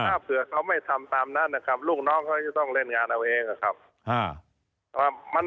ถ้าเผื่อเขาไม่ทำตามนั้นนะครับลูกน้องเขาจะต้องเล่นงานเอาเองนะครับ